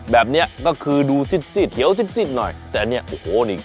แบบเนี้ยก็คือดูซิดซิดเขียวซิดซิดหน่อยแต่เนี้ยโอ้โหนี่